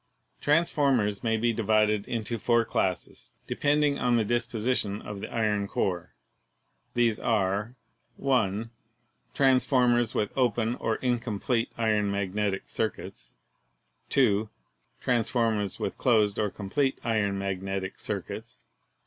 Transformers may be divided into four classes, de pending on the disposition of the iron core. These are : (1) Transformers with open or incomplete iron mag netic circuits. (2) Transformers with closed or complete iron mag netic circuits.